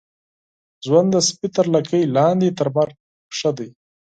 ژوند د سپي تر لکۍ لاندي ، تر مرګ ښه دی.